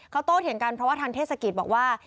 เขาโตเถียงกันเพราะว่าทางเทศกิจบอกว่า